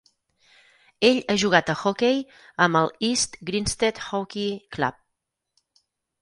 Ell ha jugat a hoquei amb el East Grinstead Hockey Club.